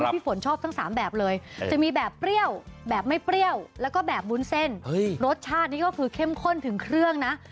พี่ฝนชอบทั้ง๓แบบเลยจะมีแบบเปรี้ยวแบบไม่เปรี้ยวแล้วก็แบบวุ้นเส้นรสชาตินี่ก็คือเข้มข้นถึงเครื่องนะ